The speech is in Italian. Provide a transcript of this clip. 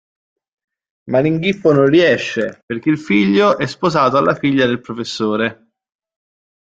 Ma l'inghippo non riesce, perché il figlio è sposato alla figlia del professore.